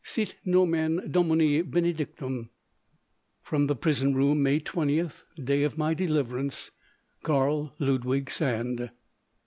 "Sit nomen Domini benedictum. "From the prison room, May 20th, day of my deliverance. "KARL LUDWIG SAND."